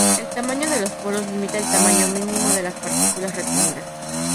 El tamaño de los poros limita el tamaño mínimo de las partículas retenidas.